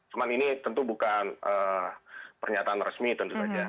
cuma ini tentu bukan pernyataan resmi tentu saja